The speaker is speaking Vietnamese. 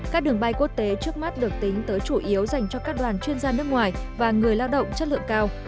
các đường bay quốc tế trước mắt được tính tới chủ yếu dành cho các đoàn chuyên gia nước ngoài và người lao động chất lượng cao